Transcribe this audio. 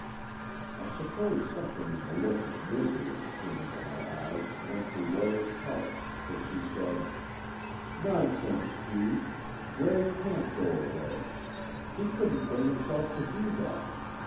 I suppose something in the look of misery that came into my eyes went to Lora's heart, for she said: "Nonsense, Kee, Gray can't go away. He couldn't bring himself to do that.